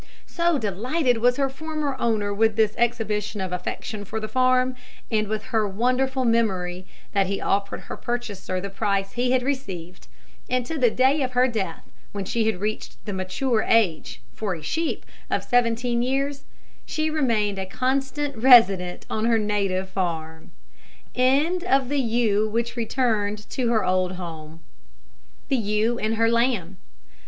So delighted was her former owner with this exhibition of affection for the farm, and with her wonderful memory, that he offered her purchaser the price he had received; and to the day of her death when she had reached the mature age, for a sheep, of seventeen years she remained a constant resident on her native farm. THE EWE AND HER LAMB.